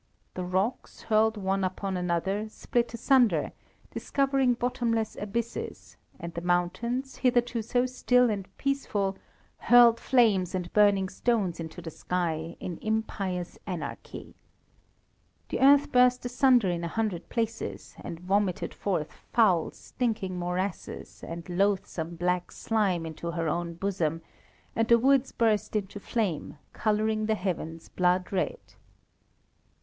The rocks, hurled one upon another, split asunder, discovering bottomless abysses, and the mountains, hitherto so still and peaceful, hurled flames and burning stones into the sky in impious anarchy. The earth burst asunder in a hundred places, and vomited forth foul, stinking morasses and loathsome, black slime into her own bosom, and the woods burst into flame, colouring the heavens blood red.